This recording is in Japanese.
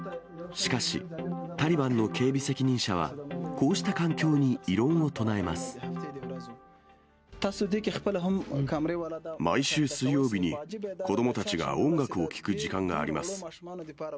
しかし、タリバンの警備責任者は、毎週水曜日に、子どもたちが音楽を聴く時間があります。